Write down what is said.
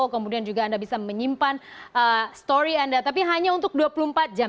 kemudian juga anda bisa menyimpan story anda tapi hanya untuk dua puluh empat jam